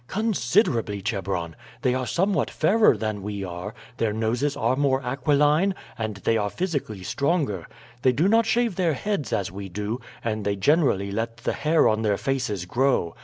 "Considerably, Chebron. They are somewhat fairer than we are, their noses are more aquiline, and they are physically stronger. They do not shave their heads as we do, and they generally let the hair on their faces grow.